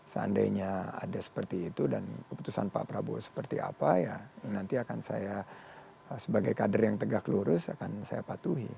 seandainya ada seperti itu dan keputusan pak prabowo seperti apa ya nanti akan saya sebagai kader yang tegak lurus akan saya patuhi